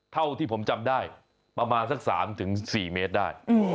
เท่าที่ผมจำได้ประมาณสัก๓๔เมตรได้